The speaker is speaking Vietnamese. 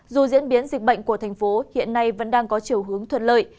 dù diễn biến dịch bệnh của tp hiện nay vẫn đang có chiều hướng thuận lợi